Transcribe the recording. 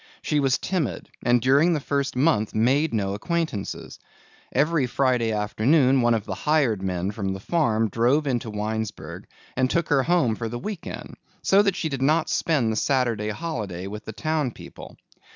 She was timid and during the first month made no acquaintances. Every Friday afternoon one of the hired men from the farm drove into Winesburg and took her home for the week end, so that she did not spend the Saturday holiday with the town people.